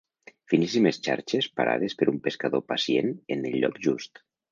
Finíssimes xarxes parades per un pescador pacient en el lloc just.